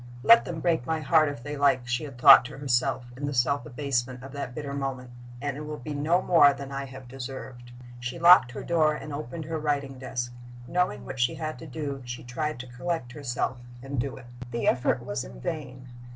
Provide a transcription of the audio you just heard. "Let them break my heart if they like," she had thought to herself, in the self abasement of that bitter moment; "it will be no more than I have deserved." She locked her door and opened her writing desk. Knowing what she had to do, she tried to collect herself and do it. The effort was in vain.